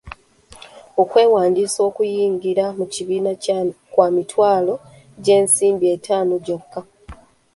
Okwewandiisa okuyingira mu kibiina kwa mitwalo gy'ensimbi etaano gyokka.